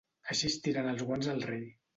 Així es tiren els guants al rei.